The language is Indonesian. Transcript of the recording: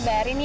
ada apa sih